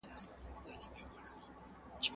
ټولنه د انسان د بدن له غړو سره ورته ده.